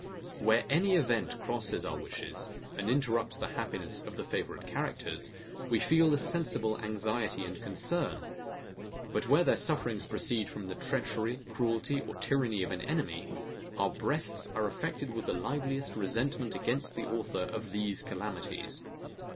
Where any event crosses our wishes, and interrupts the happiness of the favourite characters, we feel a sensible anxiety and concern. But where their sufferings proceed from the treachery, cruelty, or tyranny of an enemy, our breasts are affected with the liveliest resentment against the author of these calamities.